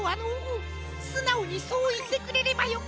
すなおにそういってくれればよかったのに。